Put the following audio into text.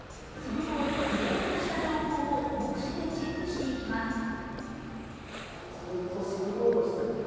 その後、データ化した情報を目視でチェックしていきます。